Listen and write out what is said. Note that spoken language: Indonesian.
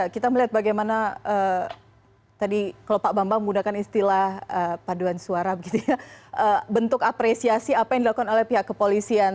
kita melihat bagaimana tadi kalau pak bambang menggunakan istilah paduan suara bentuk apresiasi apa yang dilakukan oleh pihak kepolisian